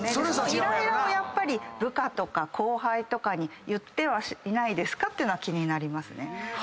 色々部下とか後輩に言ってはいないですかっていうのは気になりますね。